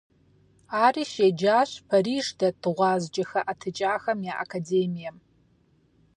Ари щеджащ Париж дэт гъуазджэ хэӀэтыкӀахэм я Академием.